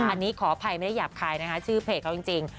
อันนี้ขออภัยไม่ได้หยาบคายนะคะชื่อเพจเขาจริง